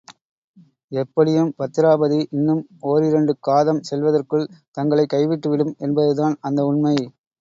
எப்படியும் பத்திராபதி இன்னும் ஓரிரண்டு காதம் செல்வதற்குள் தங்களைக் கைவிட்டு விடும் என்பதுதான் அந்த உண்மை.